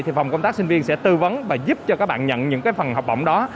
thì phòng công tác sinh viên sẽ tư vấn và giúp cho các bạn nhận những cái phần học bổng đó